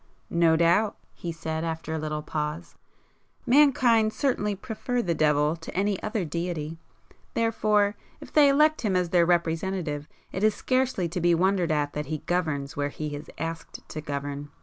"No doubt!" he said, after a little pause—"Mankind certainly prefer the devil to any other deity,—therefore if they elect him as their representative, it is scarcely to be wondered at that he governs where he is asked to govern.